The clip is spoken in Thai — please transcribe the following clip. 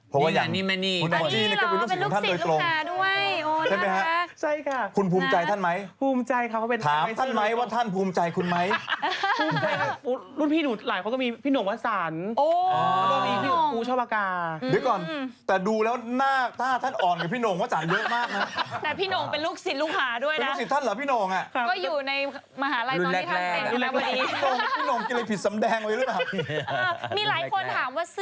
รักท่านมากเพราะว่าอย่างนี้มากกว่า